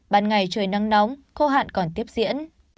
ban ngày trời nắng nóng khô hạn còn tiếp diễn